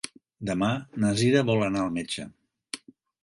Demà na Sira vol anar al metge.